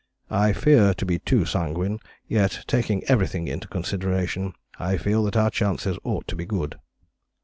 I fear to be too sanguine, yet taking everything into consideration I feel that our chances ought to be good."